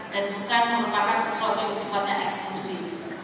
dan bukan merupakan sesuatu yang sempatnya eksklusif